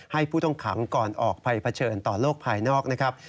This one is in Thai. ผู้ต้องขังก่อนออกไปเผชิญต่อโลกภายนอกนะครับ